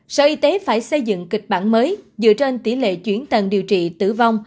sở y tế phải xây dựng kịch bản mới dựa trên tỷ lệ chuyển tần điều trị tử vong